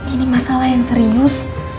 ini masalah yang serius